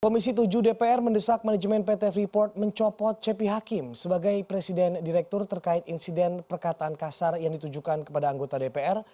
komisi tujuh dpr mendesak manajemen pt freeport mencopot cepi hakim sebagai presiden direktur terkait insiden perkataan kasar yang ditujukan kepada anggota dpr